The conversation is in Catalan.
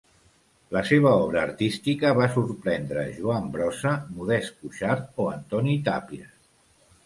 La seva obra artística va sorprendre Joan Brossa, Modest Cuixart o Antoni Tàpies.